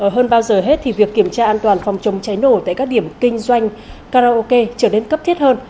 hơn bao giờ hết thì việc kiểm tra an toàn phòng chống cháy nổ tại các điểm kinh doanh karaoke trở nên cấp thiết hơn